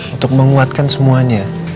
untuk menguatkan semuanya